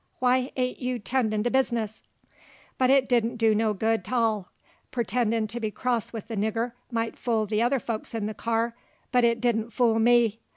Why ain't you 'tendin' to bizness?" But it didn't do no good 't all; pertendin' to be cross with the nigger might fool the other folks in the car, but it didn't fool me.